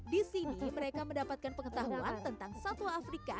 di sini mereka mendapatkan pengetahuan tentang satwa afrika